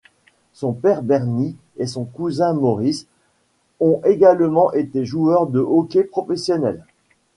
Son père Bernie et son cousin Morris ont également été joueurs de hockey professionnels.